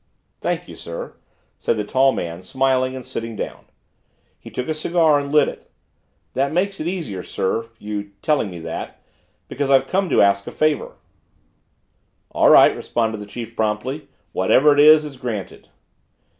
"Thank you, sir," said the tall man, smiling and sitting down. He took a cigar and lit it. "That makes it easier, sir your telling me that. Because I've come to ask a favor." "All right," responded the chief promptly. "Whatever it is, it's granted."